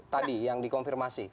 tadi yang dikonfirmasi